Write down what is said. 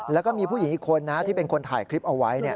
แล้วก็มีผู้หญิงอีกคนที่เป็นคนถ่ายคลิปเอาไว้